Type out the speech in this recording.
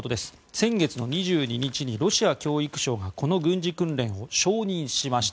先月の２２日にロシア教育省はこの軍事訓練を承認しました。